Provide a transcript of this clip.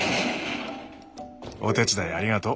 お手伝いありがとう。